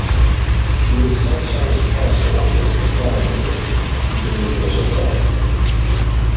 He was sometimes passed off as Clyde Ward, Billy's little brother.